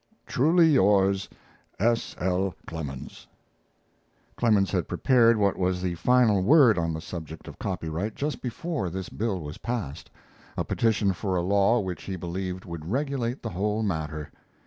Truly yours, S. L. CLEMENS. Clemens had prepared what was the final word an the subject of copyright just before this bill was passed a petition for a law which he believed would regulate the whole matter.